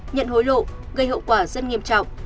nhận hối lộ gây hậu quả rất nghiêm trọng